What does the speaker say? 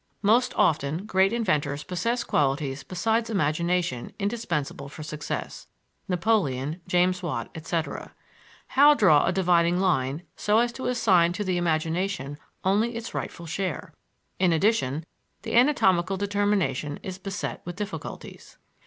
Most often great inventors possess qualities besides imagination indispensable for success (Napoleon, James Watt, etc.). How draw a dividing line so as to assign to the imagination only its rightful share? In addition, the anatomical determination is beset with difficulties.